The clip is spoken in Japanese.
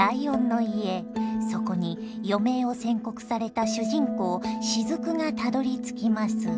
そこに余命を宣告された主人公雫がたどりつきます。